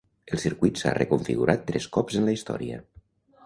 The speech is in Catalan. El circuit s'ha reconfigurat tres cops en la història.